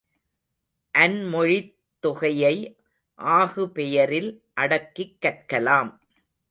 அன்மொழித் தொகையை ஆகுபெயரில் அடக்கிக் கற்கலாம்.